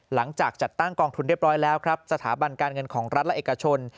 หลังจากจัดตั้งกองทุนเรียบร้อยแล้วครับสถาบันการเงินของรัฐและเอกชน